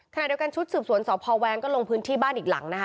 ขณะเดียวกันชุดสืบสวนสพแวงก็ลงพื้นที่บ้านอีกหลังนะคะ